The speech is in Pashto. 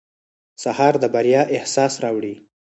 سهار د بریا احساس راوړي.